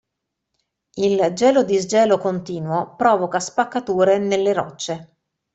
Il gelo-disgelo continuo provoca spaccature nelle rocce.